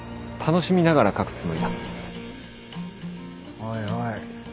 おいおい。